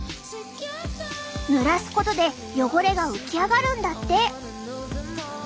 ぬらすことで汚れが浮き上がるんだって。